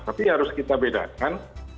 tapi harus kita bedakan